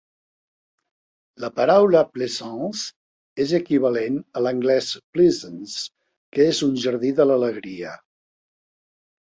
La paraula "plaisance" és equivalent a l'anglès "pleasance", que és un jardí de l'alegria.